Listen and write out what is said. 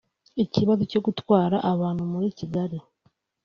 Ikibazo cyo gutwara abantu muri Kigali